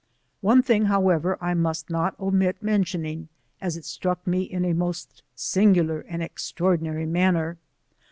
One thing, however, I must not omit mentioning, as it struck me in a most singular and extraordinary manner.